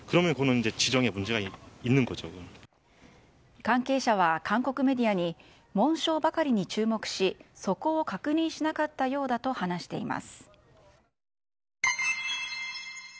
関係者は韓国メディアに紋章ばかりに注目し底を確認しなかったようだと話しています。